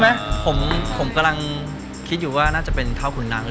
ไหมผมกำลังคิดอยู่ว่าน่าจะเป็นข้าวขุนนัง